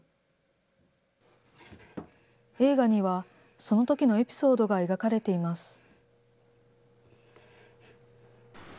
映画には、そのときのエピソードが描かれています。